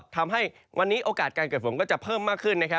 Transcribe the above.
ทำให้วันนี้โอกาสการเกิดฝนก็จะเพิ่มมากขึ้น